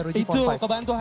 itu kebantu handphone